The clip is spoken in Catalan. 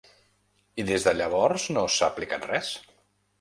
I des de llavors no s’ha aplicat res?